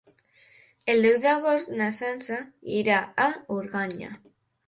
El deu d'agost na Sança irà a Organyà.